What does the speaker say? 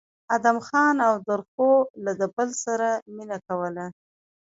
ادم خان او درخو له د بل سره مينه کوله